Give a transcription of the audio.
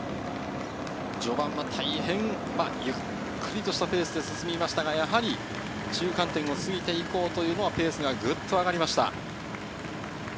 序盤は大変ゆっくりとしたペースで進みましたが、中間点を過ぎて以降、ペースがぐっと上がりました。